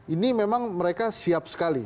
ini memang mereka siap sekali